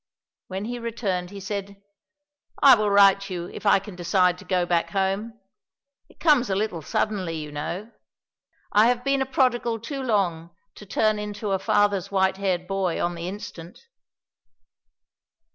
When he returned he said, "I will write you if I can decide to go back home. It comes a little suddenly you know. I have been a prodigal too long to turn into a father's white haired boy on the instant."